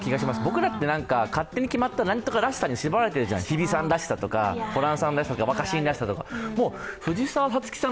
僕らって勝手に決まったなんとからしさって縛られてるじゃないですか、日比さんらしさとかホランさんらしさ、若新らしさって藤澤さん